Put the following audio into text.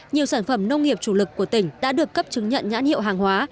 nhiều sản phẩm nông nghiệp chủ lực của tỉnh đã được cấp chứng nhận nhãn hiệu hàng hóa